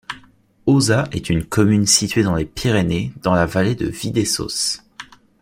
Auzat est une commune située dans les Pyrénées, dans la vallée de Vicdessos.